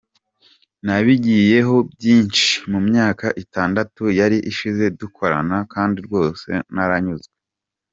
"Nabigiyeho byinshi mu myaka itandatu yari ishize dukorana kandi rwose naranyuzwe.